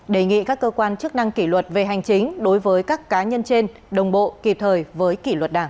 đề nghị các cơ quan chức năng kỷ luật về hành chính đối với các cá nhân trên đồng bộ kịp thời với kỷ luật đảng